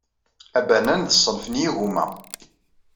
Abanan d ṣṣenf n yigumma.